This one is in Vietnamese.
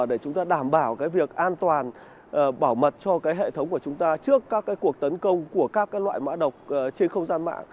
đó là cơ sở để chúng ta đảm bảo việc an toàn bảo mật cho hệ thống của chúng ta trước các cuộc tấn công của các loại mã độc trên không gian mạng